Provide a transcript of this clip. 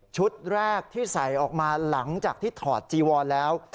แรกที่ใส่ออกมาหลังจากที่ถอดจีวอนแล้ว